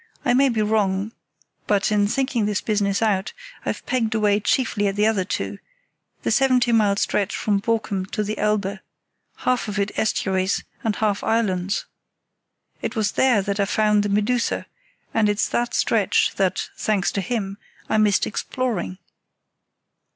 I may be wrong, but, in thinking this business out, I've pegged away chiefly at the other two, the seventy mile stretch from Borkum to the Elbe—half of it estuaries, and half islands. It was there that I found the Medusa, and it's that stretch that, thanks to him, I missed exploring."